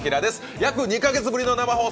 約２か月ぶりの生放送。